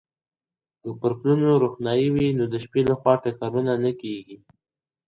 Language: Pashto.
که پر پلونو روښنايي وي، نو د شپې لخوا ټکرونه نه کیږي.